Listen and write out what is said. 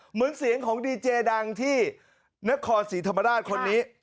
เหมือนเสียงของดีเจดังที่นครศรีธรรมราชคนนี้